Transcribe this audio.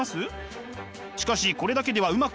しかしこれだけではうまくいきません。